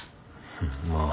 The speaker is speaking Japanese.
まあ。